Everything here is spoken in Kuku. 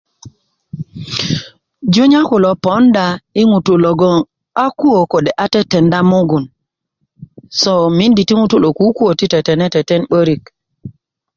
junya kulo ponda i ŋutu logon a kuö kode a tetenda mugun so mindi ŋutu ti lo kuwoni kuwo ko ti tetene tenen 'börik